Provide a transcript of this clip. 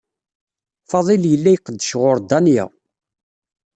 Faḍil yella yqeddec ɣur Danya.